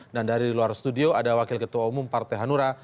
dan dari luar studio ada wakil ketua umum partai hanura